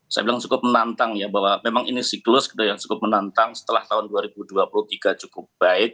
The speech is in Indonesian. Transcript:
saya bilang cukup menantang ya bahwa memang ini siklus yang cukup menantang setelah tahun dua ribu dua puluh tiga cukup baik